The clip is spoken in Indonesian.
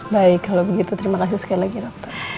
baik kalau begitu terima kasih sekali lagi dokter